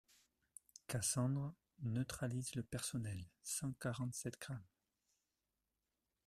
Cassandre neutralise le personnel : cent quarante-sept grammes.